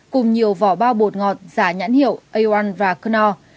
cùng nhiều vỏ bao bột ngọt giả nhãn hiệu a một và knorr